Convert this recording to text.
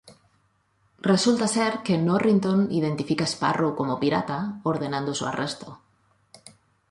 Resulta ser que Norrington identifica a Sparrow como pirata, ordenando su arresto.